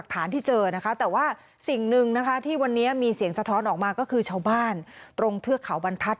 ตอนนี้มีเสียงสะท้อนออกมาก็คือชาวบ้านตรงเทือกเขาบรรทัศน์